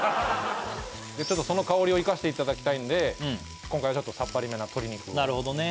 その香りを生かしていただきたいんで今回はちょっとさっぱりめな鶏肉をなるほどね